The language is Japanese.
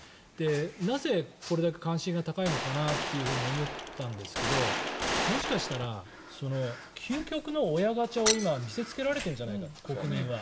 なぜ、これだけ関心が高いのかなと思ったんですけどもしかしたら究極の親ガチャを今、見せつけられてるんじゃないかと国民は。